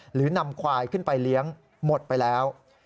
หรือนำควายขึ้นไปเลี้ยงหมดไปแล้ว